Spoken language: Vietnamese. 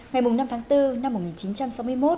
ngày năm tháng bốn năm một nghìn chín trăm sáu mươi một